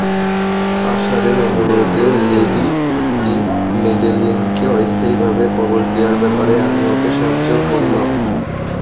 আশারের অনুরোধে লেডি মেডেলিনকে অস্থায়ীভাবে কবর দেয়ার ব্যাপারে আমি ওকে সাহায্য করলাম।